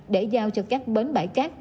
để giao cho các bến bãi cát